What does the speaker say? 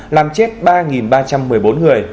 làm chết ba ba trăm một mươi bốn người